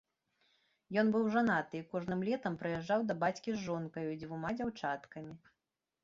Ён быў жанаты і кожным летам прыязджаў да бацькі з жонкаю і дзвюма дзяўчаткамі.